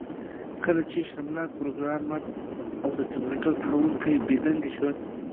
کله چې شرمناک پروګرامر او د کمپیوټر جوړونکی بې دندې شول